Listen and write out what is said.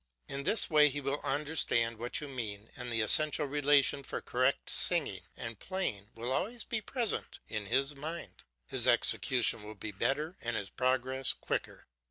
In this way he will understand what you mean, and the essential relations for correct singing and playing will always be present in his mind; his execution will be better and his progress quicker.